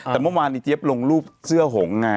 แต่เมื่อวานนี้เจี๊ยบลงรูปเสื้อหงไง